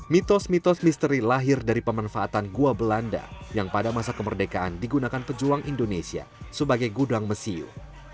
mitos mitos misteri lahir dari pemanfaatan gua belanda yang pada masa kemerdekaan digunakan pejuang indonesia sebagai gudang mesiu